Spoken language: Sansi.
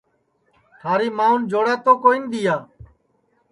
تھاری مان جوڑا تو کون دؔیا